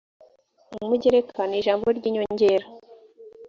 umugereka nijambo ryinyongera.